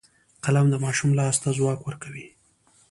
قلم د ماشوم لاس ته ځواک ورکوي